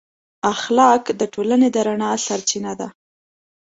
اخلاق د ټولنې د رڼا سرچینه ده.